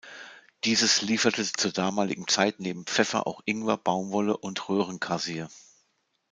Dieses lieferte zur damaligen Zeit neben Pfeffer auch Ingwer, Baumwolle und Röhren-Kassie.